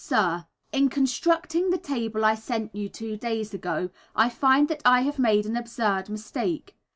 Sir, In constructing the table I sent you two days ago, I find that I have made an absurd mistake.